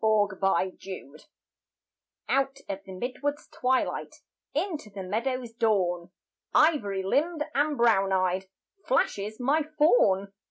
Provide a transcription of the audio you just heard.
IN THE FOREST OUT of the mid wood's twilight Into the meadow's dawn, Ivory limbed and brown eyed, Flashes my Faun!